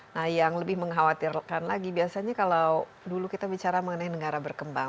nah yang lebih mengkhawatirkan lagi biasanya kalau dulu kita bicara mengenai negara berkembang